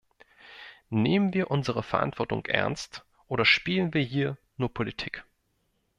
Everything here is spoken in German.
Nehmen wir unsere Verantwortung ernst oder spielen wir hier nur Politik?